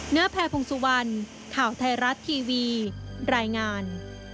แพรพงศุวรรณข่าวไทยรัฐทีวีรายงาน